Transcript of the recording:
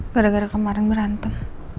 gara gara kemarin berantem